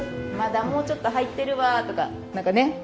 「まだもうちょっと入ってるわ」とか何かね。